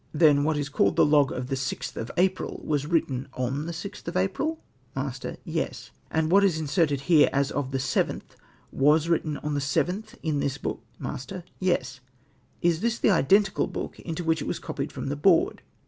"Then what is called the log of the 6th of April ims written on the 6th of April ?" Master. —" Yes." "And what is inserted here as of the 7th, vjas written on the 7th in this book ?"' Master. —" Yes." " Is this the identical hook into which it was copied from the board?"